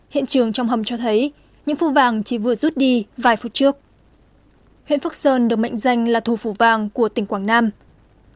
hiện trường trong hầm cho thấy những phu vàng chỉ vừa rút đi vài phút trước